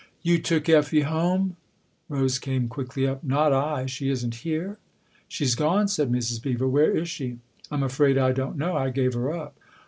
" You took Effie home ?" Rose came quickly up. " Not I ! She isn't here ?" "She's gone," said Mrs. Beever, "Where is she ?"" I'm afraid I don't know. I gave her up."